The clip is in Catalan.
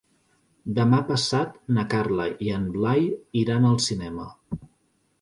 Demà passat na Carla i en Blai iran al cinema.